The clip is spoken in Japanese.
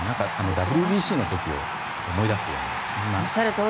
ＷＢＣの時を思い出すようです。